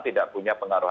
tidak punya pengaruh